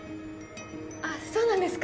あっそうなんですか。